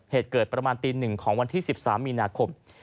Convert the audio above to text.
เหตุเกิดประมาณตี๑ของวันที่๑๓มีนาคม